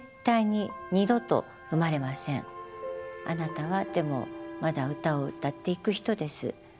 あなたはでもまだ歌を歌っていく人です。